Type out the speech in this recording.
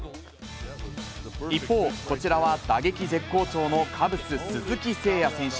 一方、こちらは打撃絶好調のカブス、鈴木誠也選手。